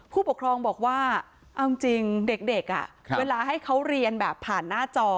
ผู้ปกครองบอกว่าเอาจริงเด็กเวลาให้เขาเรียนแบบผ่านหน้าจอ